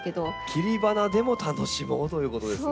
切り花でも楽しもうということですね。